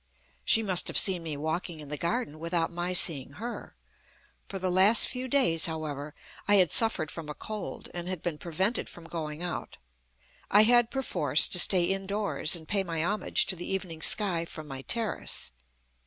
She must have seen me walking in the garden without my seeing her. For the last few clays, however, I had suffered from a cold, and had been prevented from going out. I had, perforce, to stay indoors and pay my homage to the evening sky from my terrace.